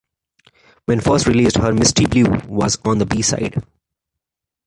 When first released, her "Misty Blue" was on the B-side.